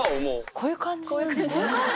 こういう感じ？